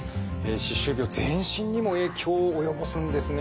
歯周病全身にも影響を及ぼすんですね。